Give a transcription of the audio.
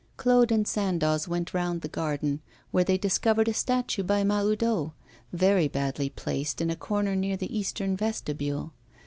Claude and Sandoz went round the garden, where they discovered a statue by Mahoudeau, very badly placed in a corner near the eastern vestibule.